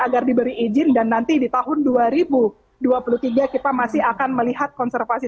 agar diberi izin dan nanti di tahun dua ribu dua puluh tiga kita masih akan melihat konservasi